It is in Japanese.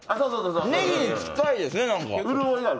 ねぎに近いですね。